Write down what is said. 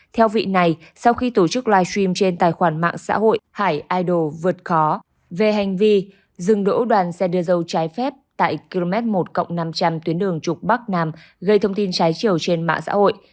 theo vị này sau khi tổ chức live stream trên tài khoản mạng xã hội hải idol vượt khó về hành vi dừng đỗ đoàn xe đưa dâu trái phép tại km một năm trăm linh tuyến đường trục bắc nam gây thông tin trái chiều trên mạng xã hội